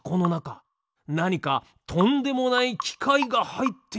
なにかとんでもないきかいがはいっているのでは？